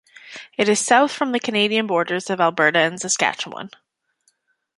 It is south from the Canadian borders of Alberta and Saskatchewan.